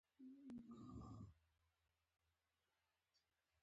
کچالو د مینې خوراک دی